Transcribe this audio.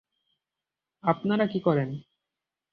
আপনারা কী করেন?